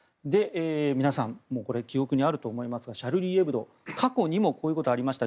皆さん記憶にあると思いますがシャルリー・エブド過去にもこういうことがありました。